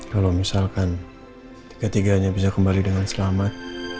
kalau misalkan ketiganya bisa kembali dengan selamat